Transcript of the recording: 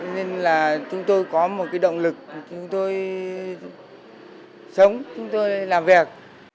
nên là chúng tôi có một cái động lực để chúng tôi sống chúng tôi làm việc